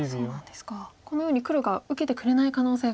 このように黒が受けてくれない可能性が。